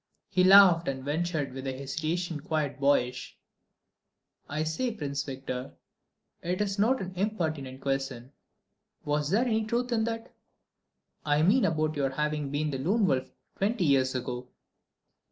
He laughed and ventured with a hesitation quite boyish: "I say, Prince Victor—if it's not an impertinent question—was there any truth in that? I mean about your having been the Lone Wolf twenty years ago."